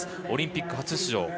オリンピック初出場。